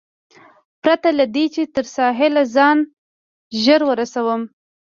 پرته له دې، چې تر ساحل ځان ژر ورسوم.